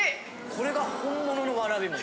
これが本物のわらび餅？